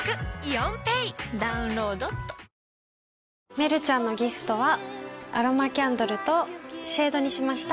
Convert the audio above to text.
めるちゃんのギフトはアロマキャンドルとシェードにしました。